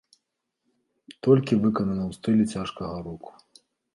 Толькі выкананы ў стылі цяжкога року.